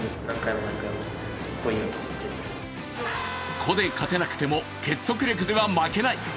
個で勝たなくても結束力では負けない。